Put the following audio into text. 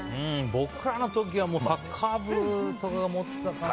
僕らの時はサッカー部とかがモテたかな。